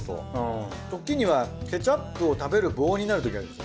ときにはケチャップを食べる棒になるときあります